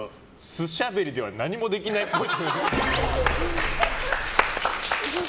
素しゃべりでは何もできないっぽい。